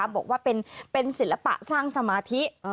บอกว่าเป็นศิลปะสร้างสมาธิ